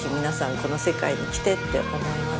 この世界に来てって思います。